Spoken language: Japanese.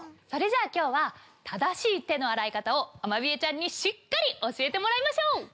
それじゃあ今日は正しい手の洗い方をアマビエちゃんにしっかり教えてもらいましょう！